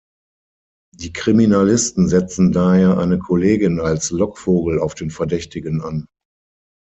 Die Kriminalisten setzen daher eine Kollegin als Lockvogel auf den Verdächtigen an.